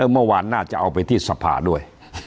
เมื่อวานน่าจะเอาไปที่สภาด้วย